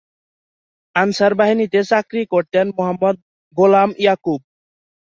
Answer বাহিনীতে চাকরি করতেন মোহাম্মদ গোলাম ইয়াকুব।